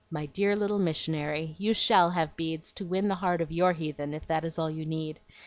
"My dear little missionary, you SHALL have beads to win the heart of YOUR heathen, if that is all you need.